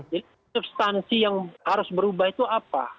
jadi substansi yang harus berubah itu apa